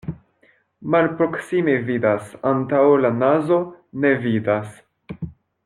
Malproksime vidas, antaŭ la nazo ne vidas.